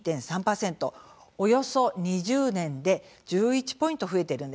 およそ２０年で１１ポイント増えているんです。